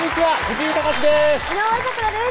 井上咲楽です